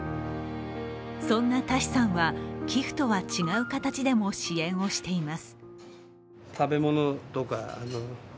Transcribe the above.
そんなタシさんは寄付とは違う形でも支援をしています。